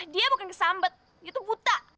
dia bukan kesambet dia tuh buta